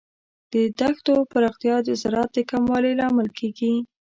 د دښتو پراختیا د زراعت د کموالي لامل کیږي.